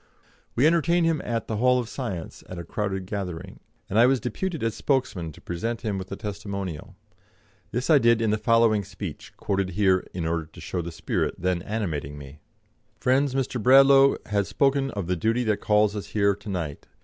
We entertained him at the Hall of Science at a crowded gathering, and I was deputed as spokesman to present him with a testimonial. This I did in the following speech, quoted here in order to show the spirit then animating me: "Friends, Mr. Bradlaugh has spoken of the duty that calls us here to night.